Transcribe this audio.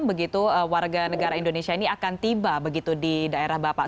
begitu warga negara indonesia ini akan tiba begitu di daerah bapak